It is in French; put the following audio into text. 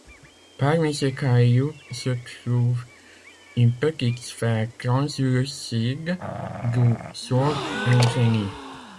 Parmi ces cailloux se trouve une petite sphère translucide d’où sort un génie.